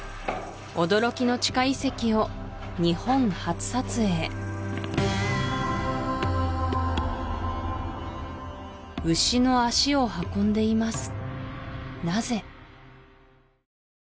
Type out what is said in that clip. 驚きの地下遺跡を日本初撮影牛の脚を運んでいますなぜ？